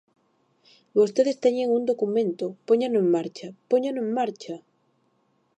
Vostedes teñen un documento, póñano en marcha, ¡póñano en marcha!